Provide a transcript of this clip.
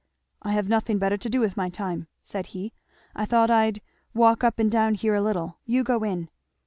"I have nothing better to do with my time," said he; "I thought I'd walk up and down here a little. You go in!"